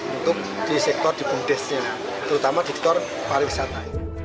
untuk di sektor bumdes terutama di sektor pariwisata